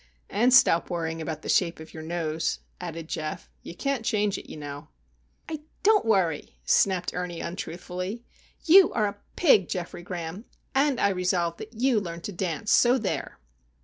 "And stop worrying about the shape of your nose," added Geof. "You can't change it, you know." "I don't worry," snapped Ernie, untruthfully. "You are a pig, Geoffrey Graham! And I resolve that you learn to dance, so there!"